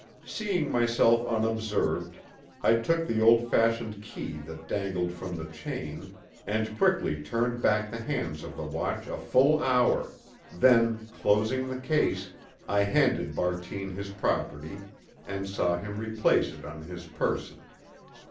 Seeing myself unobserved, I took the old fashioned key that dangled from the chain and quickly turned back the hands of the watch a full hour; then, closing the case, I handed Bartine his property and saw him replace it on his person.